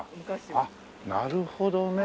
あっなるほどね。